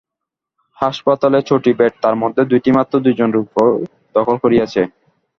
হাসপাতালে ছটি বেড, তার মধ্যে দুটি মাত্র দুজন রোগী দখল করিয়াছে।